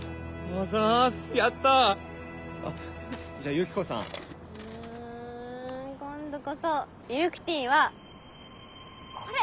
うん今度こそミルクティーはこれ。